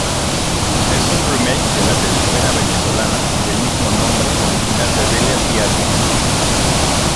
Es un remake de la telenovela venezolana del "mismo nombre", original de Delia Fiallo.